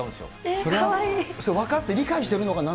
それは分かって理解してるのかな？